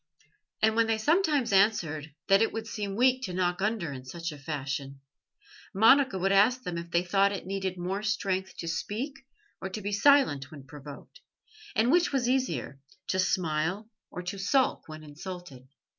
And when they sometimes answered that it would seem weak to knock under in such a fashion, Monica would ask them if they thought it needed more strength to speak or to be silent when provoked, and which was easier, to smile or to sulk when insulted?